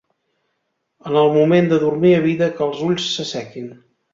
En el moment de dormir evita que els ulls s'assequin.